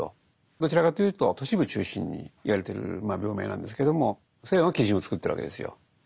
どちらかというと都市部中心に言われてる病名なんですけども西欧が基準を作ってるわけですよ。